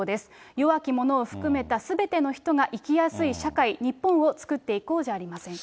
弱き者を含めたすべての人が生きやすい社会、日本を作っていこうじゃありませんか。